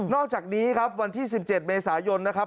อกจากนี้ครับวันที่๑๗เมษายนนะครับ